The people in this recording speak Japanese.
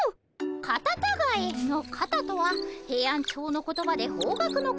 カタタガエの「カタ」とはヘイアンチョウの言葉で方角のこと。